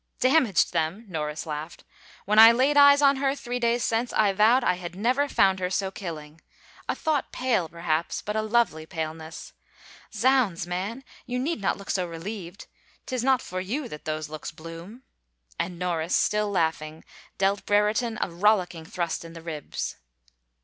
Damaged them 1 " Norris laughed. " When I laid eyes on her, three days since, I vowed I had never found her so killing. A thought pale, perhaps, but a lovely paleness. Zounds, man, you need not look so relieved — 'tis not for you that those looks bloom !" and Norris, still laughing, dealt Brereton a rollicking thrust in the ribs.